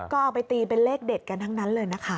ก็เอาไปตีเป็นเลขเด็ดกันทั้งนั้นเลยนะคะ